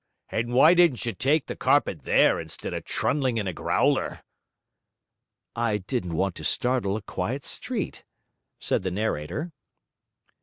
'And w'y didn't you take the carpet there instead of trundling in a growler?' 'I didn't want to startle a quiet street,' said the narrator.